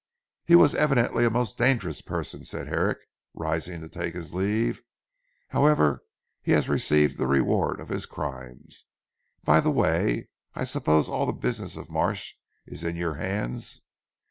"He was evidently a most dangerous person," said, Herrick rising to take his leave. "However he has received the reward of his crimes. By the way I suppose all the business of Marsh is in your hands?"